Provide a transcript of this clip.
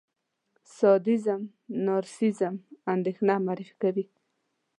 سادېزم، نارسېسېزم، اندېښنه معرفي کوي.